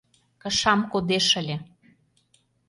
Кышам кодеш ыле…